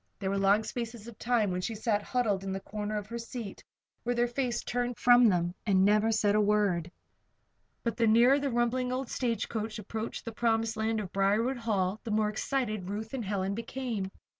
There were long spaces of time when she sat huddled in the corner of her seat, with her face turned from them, and never said a word. But the nearer the rumbling old stagecoach approached the promised land of Briarwood Hall the more excited Ruth and Helen became.